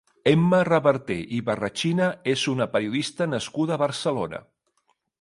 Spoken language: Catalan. Emma Reverter i Barrachina és una periodista nascuda a Barcelona.